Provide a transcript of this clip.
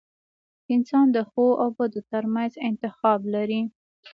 • انسان د ښو او بدو ترمنځ انتخاب لري.